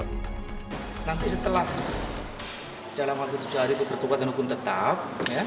nanti setelah dalam waktu tujuh hari itu berkekuatan hukum tetap